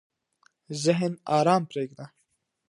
ذهن ارام پرېږده.